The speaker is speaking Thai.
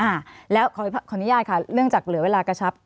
อ่าแล้วขออนุญาตค่ะเนื่องจากเหลือเวลากระชับ